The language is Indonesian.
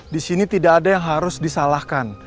di sini tidak ada yang harus disalahkan